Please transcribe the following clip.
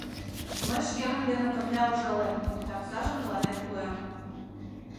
Мый шкемын дене пырля ужалем да оксажым тыланет пуэм.